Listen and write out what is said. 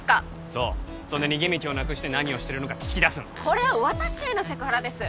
そうそんで逃げ道をなくして何をしてるのか聞き出すこれは私へのセクハラです